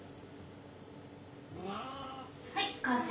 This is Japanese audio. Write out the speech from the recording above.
はい完成！